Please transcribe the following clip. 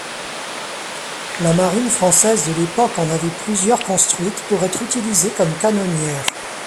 La marine française de l'époque en avait plusieurs construites pour être utilisées comme canonnières.